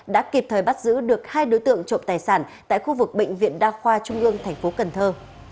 đã kịp thời bắt giữ được hai đối tượng trộm tài sản tại khu vực bệnh viện đa khoa trung ương thành phố cần thơ